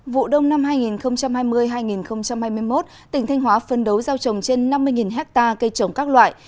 vụ đông năm hai nghìn hai mươi hai nghìn hai mươi một tỉnh thanh hóa phân đấu giao trồng trên năm mươi hectare cây trồng các loại